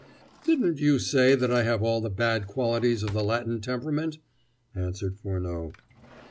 "Didn't you say that I have all the bad qualities of the Latin temperament?" answered Furneaux.